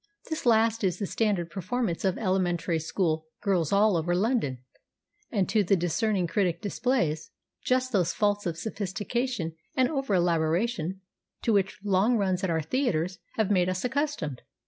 This last is the standard performance of Elementary School girls all over London, and to the dis cerning critic displays just those faults of sophistication and over elaboration to which long runs at our theatres have made us accustomed.